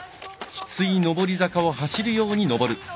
きつい上り坂を走るように上る。